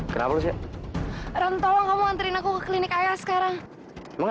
kerap rusia rentolong kamu anterin aku ke klinik ayah sekarang mau